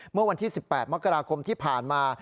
เมื่อวันที่๑๘มกราคมที่ผ่านมา